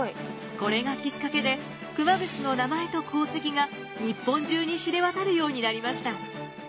これがきっかけで熊楠の名前と功績が日本中に知れ渡るようになりました。